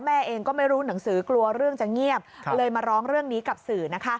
แม่เองก็ไม่รู้หนังสือกลัวเรื่องจะเงียบเลยมาร้องเรื่องนี้กับสื่อนะคะ